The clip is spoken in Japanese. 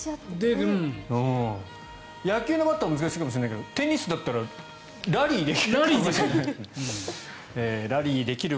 野球のバットは難しいかもしれないけどテニスだったらラリーできる。